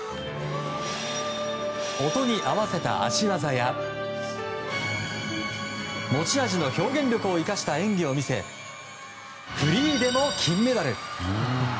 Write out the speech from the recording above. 音に合わせた脚技や持ち味の表現力を生かした演技を見せフリーでも金メダル！